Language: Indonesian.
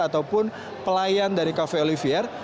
ataupun pelayan dari cafe olivier